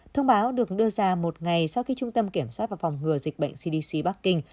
thông báo được đưa ra một ngày sau khi trung tâm kiểm soát và phòng ngừa dịch bệnh cdc bắc kinh